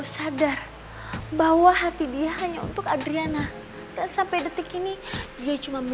saya learntin aja